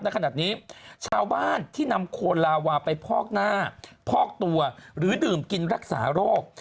ขนาดนี้ชาวบ้านที่นำโคนลาวาไปพอกหน้าพอกตัวหรือดื่มกินรักษาโรค